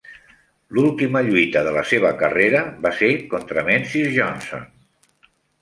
L"última lluita de la seva carrera va ser contra Menzies Johnson.